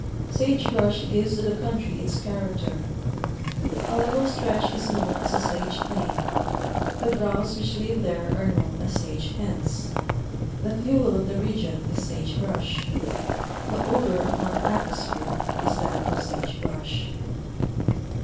Sage brush gives to the country its character. A level stretch is known as a sage plain ; the grouse which live there are known as sage hens; the fuel of the region is sage brush ; the odor upon the atmosphere is that of sage brush.